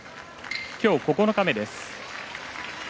今日、九日目です。